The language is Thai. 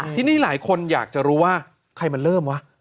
ที่นี่หลายคนอยากจะรู้ว่าใครมาเริ่มวะ